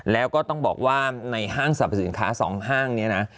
แล้วก็ต้องบอกว่าในห้างสรรพสินค้า๒ห้างนี้นะ